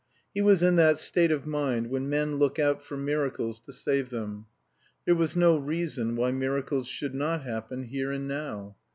He was in that state of mind when men look out for miracles to save them. There was no reason why miracles should not happen, here and now.